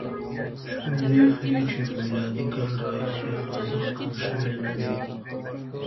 شمېرې ښيي چې له م کال راهیسې خوځښت کم شوی نه دی.